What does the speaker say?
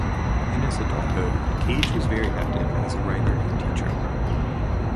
In his adulthood, Cage was very active as a writer and teacher.